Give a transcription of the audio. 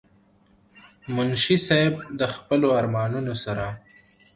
منشي صېب د خپلو ارمانونو سره